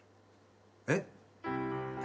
えっ？